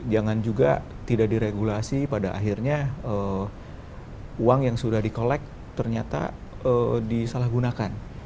jangan juga tidak diregulasi pada akhirnya uang yang sudah di kolek ternyata disalahgunakan